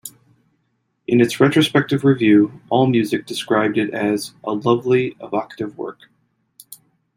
In its retrospective review, AllMusic described it as "a lovely, evocative work".